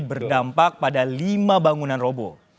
berdampak pada lima bangunan robo